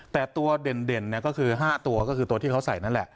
แต่ตัวเด่นก็คือ๕ตัวก็คือตัวที่เขาใส่นั่นแหละ